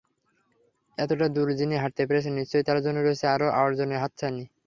এতটা দূর যিনি হাঁটতে পেরেছেন, নিশ্চয় তার জন্য রয়েছে আরও অর্জনের হাতছানি।